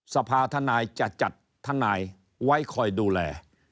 สภาธนายจะจัดทนายไว้คอยดูแล